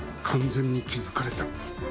完全に気づかれた。